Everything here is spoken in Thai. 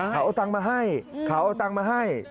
เขาเอาตังมาให้